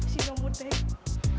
si nyumbuh teh